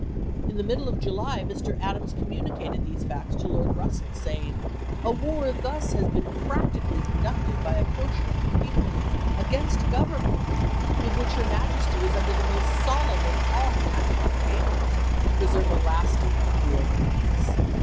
In the middle of 1863. July Mr. Adams communicated these facts to Lord Russell, saying, " A war has thus been practically reiatful conducted by a portion of her people against a Treaty^of government with which her Majesty is under the 'tra."^' most solemn of all national engagements to pre p. iW.' serve a lasting and durable peace."